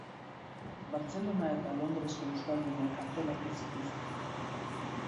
Bartzelona eta Londresko euskaldunek antolatu zituzten.